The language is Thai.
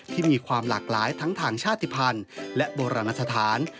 ที่มีความหลากหลายทั้งทางชาติภัณฑ์และโบราณสถาน